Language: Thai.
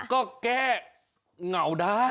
ก็แก้เหงาด้าน